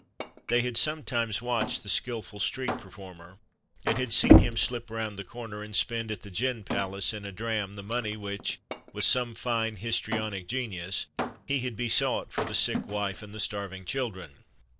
They had sometimes watched the skilful street performer, and had seen him slip round the corner and spend at the gin palace in a dram the money which, with some fine histrionic genius, he had besought for the sick wife and the starving children.